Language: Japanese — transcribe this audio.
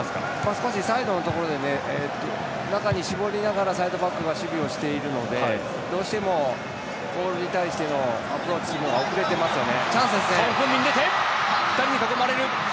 少しサイドのところで中に絞りながらサイドバックが守備をしているのでどうしてもこれに対してのアプローチも遅れていますよね。